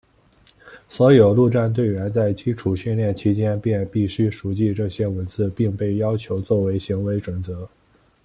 所有陆战队员在基础训练期间便必须熟记这些文字并被要求作为行为准则。